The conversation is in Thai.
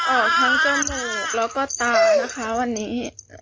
ออกทั้งจมูกแล้วก็ตานะคะวันนี้